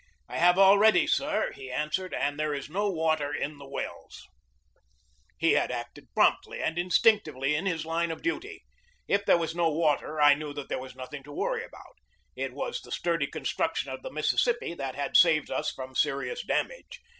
"I have already, sir/' he answered, "and there is no water in the wells." THE BATTLE OF NEW ORLEANS 65 He had acted promptly and instinctively in his line of duty. If there were no water I knew that there was nothing to worry about. It was the sturdy construction of the Mississippi that had saved us from serious damage.